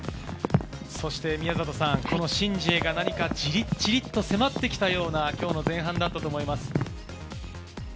宮里さん、このシン・ジエが何かじりじりと迫ってきたような、今日の前半だったと思います。